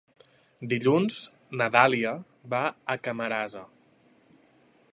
Dilluns na Dàlia va a Camarasa.